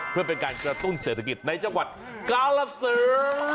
เพื่อเป็นการกระตุ้นเศรษฐกิจในจังหวัดกาลสือ